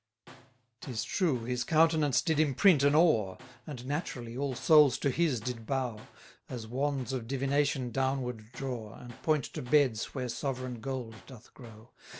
19 'Tis true, his countenance did imprint an awe; And naturally all souls to his did bow, As wands of divination downward draw, And point to beds where sovereign gold doth grow.